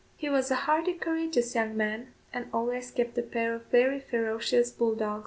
He was a hardy, courageous young man, and always kept a pair of very ferocious bull dogs.